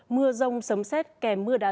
mưa rông sấm xét kèm mưa đáy